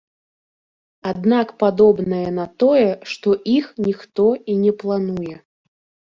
Аднак падобна на тое, што іх ніхто і не плануе.